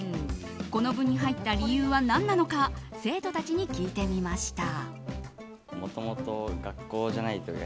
この部に入った理由は何なのか生徒たちに聞いてみました。